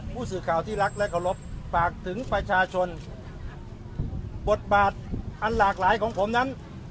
ผู้สื่อข่าวที่รักและเคารพฝากถึงประชาชนบทบาทอันหลากหลายของผมนั้น